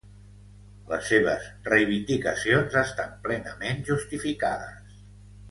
Les seves reivindicacions estan plenament justificades.